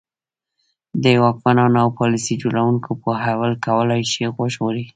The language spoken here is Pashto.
د واکمنانو او پالیسي جوړوونکو پوهول کولای شي وژغوري.